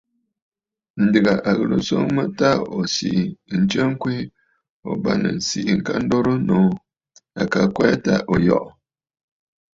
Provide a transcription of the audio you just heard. Ǹdèghà a ghɨrə nswoŋ mə ta ò siʼi nstsə ŋkweè, ̀o bâŋnə̀ ǹsiʼi ŋka dorə nòô. À ka kwɛɛ ta ò yɔʼɔ.